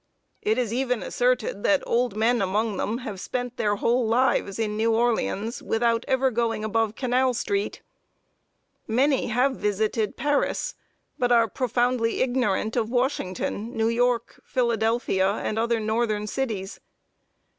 It is even asserted that old men among them have spent their whole lives in New Orleans without ever going above Canal street! Many have visited Paris, but are profoundly ignorant of Washington, New York, Philadelphia, and other northern cities.